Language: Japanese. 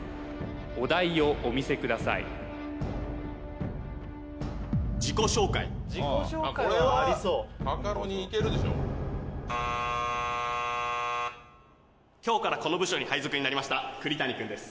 お題をお見せください自己紹介自己紹介はありそうカカロニいけるでしょ今日からこの部署に配属になりました栗谷君です